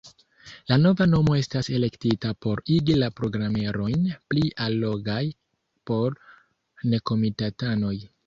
La nova nomo estas elektita por igi la programerojn pli allogaj por nekomitatanoj.